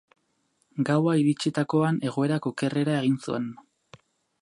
Gaua iritsitakoan, egoerak okerrera egin zuen.